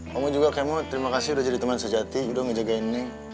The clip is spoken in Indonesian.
kamu juga kemo terima kasih udah jadi teman sejati udah ngejagain ini